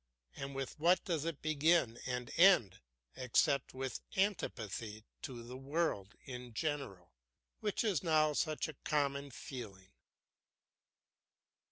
And with what does it begin and end except with antipathy to the world in general, which is now such a common feeling?